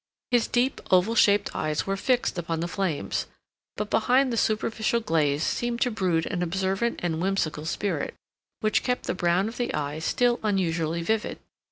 His deep, oval shaped eyes were fixed upon the flames, but behind the superficial glaze seemed to brood an observant and whimsical spirit, which kept the brown of the eye still unusually vivid.